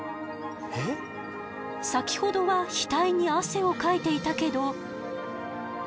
先ほどは額に汗をかいていたけど。